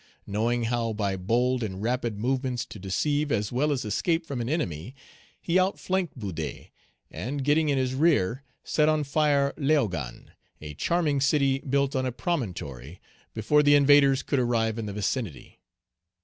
Knowing how by bold and rapid movements to deceive as well as escape from an enemy, he outflanked Boudet, and getting in his rear, set on fire Leogane, a charming city built on a promontory, before the invaders could arrive in the vicinity.